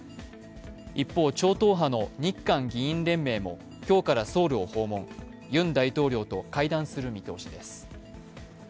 一方、超党派の日韓議員連盟も今日からソウルを訪問ユン大統領と会談する見通しです。